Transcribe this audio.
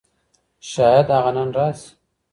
شايد هغه نن راشي.